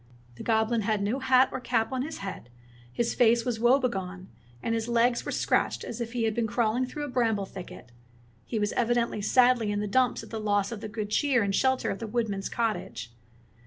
The goblin had no hat or cap on his head, his face was woe begone, and his legs were scratched as if he had been crawling through a bramble thicket. He was evidently sadly in the dumps at the loss of the good cheer and shelter of the woodman's cottage.